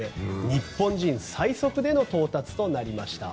日本人最速での到達となりました。